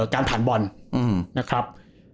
การผ่านบอลนะครับ